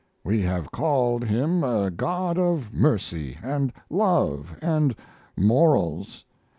We have called Him a God of mercy and love and morals.